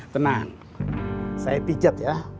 tenang saya pijat ya